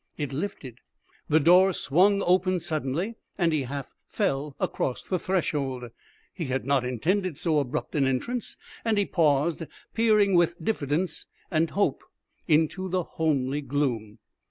It lifted, the door swung open suddenly, and he half fell across the threshold. He had not intended so abrupt an entrance, and he paused, peering with diffidence and hope into the homely gloom.